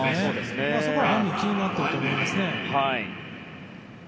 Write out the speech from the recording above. そこが気になっていると思います。